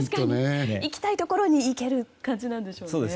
行きたいところに行ける感じなんでしょうね。